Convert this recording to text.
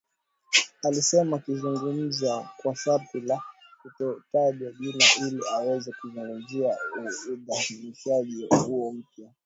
alisema akizungumza kwa sharti la kutotajwa jina ili aweze kuzungumzia uidhinishaji huo mpya